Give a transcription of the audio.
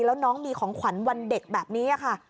แล้วน้องมีของขวัญวันเด็กแบบนี้ค่ะ